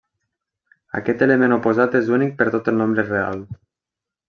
Aquest element oposat és únic per tot nombre real.